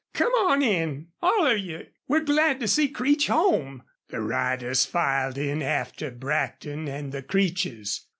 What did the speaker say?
Come on in. All of you! We're glad to see Creech home." The riders filed in after Brackton and the Creeches.